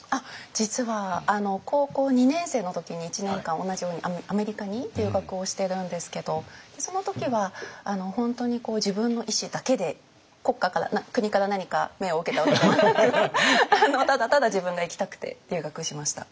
実は高校２年生の時に１年間同じようにアメリカに留学をしてるんですけどその時は本当に自分の意思だけで国家から国から何か命を受けたわけではなくただただ自分が行きたくて留学しました。